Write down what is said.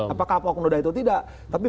apakah poknoda itu tidak tapi